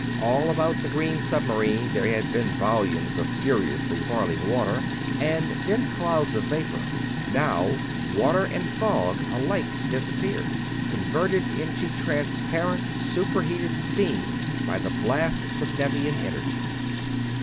All about the green submarine there had been volumes of furiously boiling water and dense clouds of vapor; now water and fog alike disappeared, converted into transparent super heated steam by the blasts of Nevian energy.